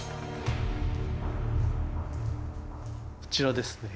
こちらですね。